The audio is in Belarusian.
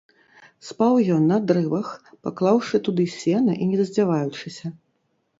Спаў ён на дрывах, паклаўшы туды сена і не раздзяваючыся.